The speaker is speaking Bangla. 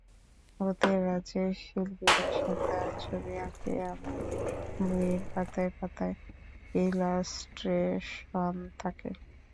ভূঁতের রাঁজ্যে শিঁল্পীরা সঁব দাঁরুণ ছঁবি আঁকেআঁমার বঁইয়ের পাঁতায় পাঁতায় ইঁলাস্ট্রেশন থাঁকে।